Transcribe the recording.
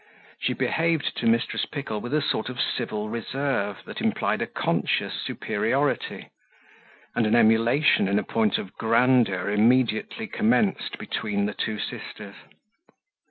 She behaved to Mrs. Pickle with a sort of civil reserve that implied a conscious superiority; and an emulation in point of grandeur immediately commenced between the two sisters.